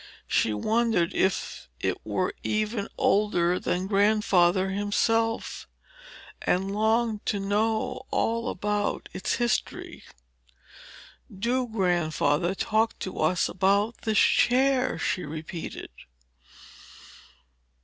She wondered if it were not even older than Grandfather himself, and longed to know all about its history. "Do, Grandfather, talk to us about this chair," she repeated.